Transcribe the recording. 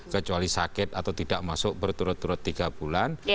kecuali sakit atau tidak masuk berturut turut tiga bulan